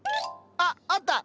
あっあった！